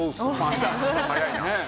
早いな。